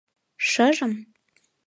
— Шыжым?